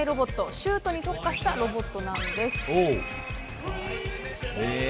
シュートに特化したロボットなんです。